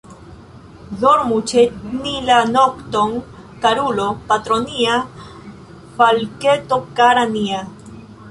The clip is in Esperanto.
Dormu ĉe ni la nokton, karulo, patro nia, falketo kara nia.